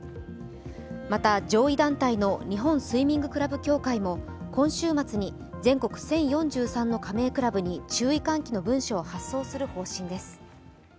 また、上位団体の日本スイミングクラブ協会も今週末に全国１０４３の加盟クラブに注意喚起の文書を発送する方針です。